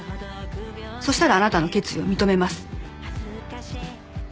そしたらあなたの決意を認めます。